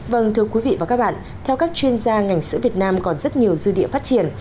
vâng thưa quý vị và các bạn theo các chuyên gia ngành sữa việt nam còn rất nhiều dư địa phát triển